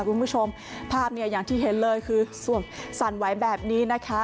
คุณผู้ชมภาพเนี่ยอย่างที่เห็นเลยคือสวมสั่นไหวแบบนี้นะคะ